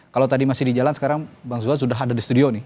kalau tadi masih di jalan sekarang bang zulan sudah ada di studio nih